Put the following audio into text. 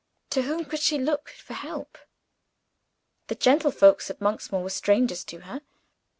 To whom could she look for help? The gentlefolks at Monksmoor were strangers to her.